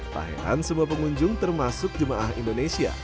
pahiran semua pengunjung termasuk jemaah indonesia